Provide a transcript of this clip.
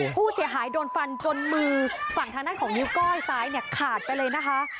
ผู้เสียหายโดนฟันจนมือฝั่งทางด้านของนิ้วก้อยซ้ายเนี่ยขาดไปเลยนะคะ